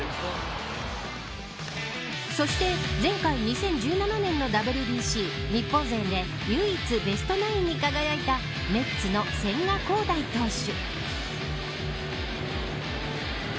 そして前回２０１７年のＷＢＣ日本勢で唯一ベストナインに輝いたメッツの千賀滉大投手。